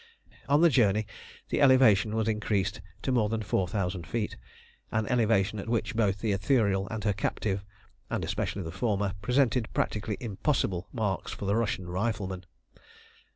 On the journey the elevation was increased to more than four thousand feet, an elevation at which both the Ithuriel and her captive, and especially the former, presented practically impossible marks for the Russian riflemen.